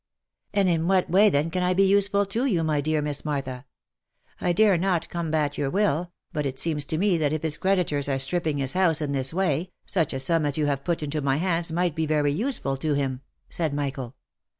" And in what way then can I be useful to you, my dear Miss Martha? I dare not combat your will, but it seems to me that if his creditors are stripping his house in this way, such a sum as you have put into my hands might be very useful to him," said Michael.